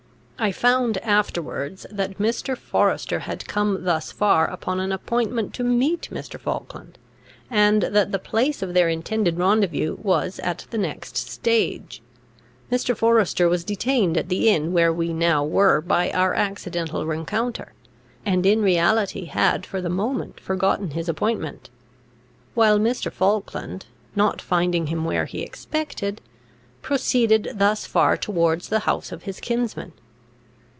I found afterwards that Mr. Forester had come thus far upon an appointment to meet Mr. Falkland, and that the place of their intended rendezvous was at the next stage. Mr. Forester was detained at the inn where we now were by our accidental rencounter, and in reality had for the moment forgotten his appointment; while Mr. Falkland, not finding him where he expected, proceeded thus far towards the house of his kinsman.